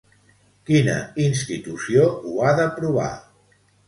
Quina institució ho ha d'aprovar?